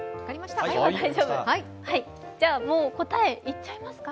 はい、じゃあもう、答えいっちゃいますか？